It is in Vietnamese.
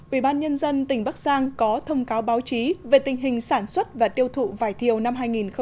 ubnd tỉnh bắc giang có thông cáo báo chí về tình hình sản xuất và tiêu thụ vải thiều năm hai nghìn một mươi chín